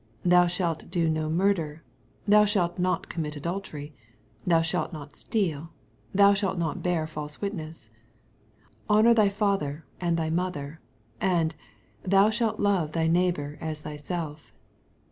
Thou shalt do no murder. Thou shalt not commit adultery. Thou shalt not steal. Thou shalt not bear false witness, 19 Honor thy father and thy mo ther : and, Thou shalt love thy neigh bor as thyself.